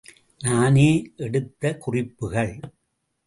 நானே எடுத்த குறிப்புகள்!